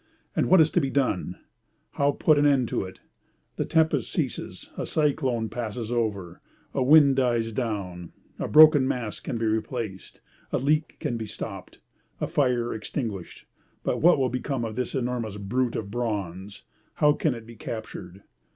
And what is to be done? How put an end to it? A tempest ceases, a cyclone passes over, a wind dies down, a broken mast can be replaced, a leak can be stopped, a fire extinguished, but what will become of this enormous brute of bronze? How can it be captured?